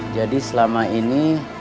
jadi selama ini